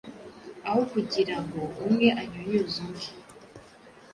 aho kugirango umwe anyunyuze undi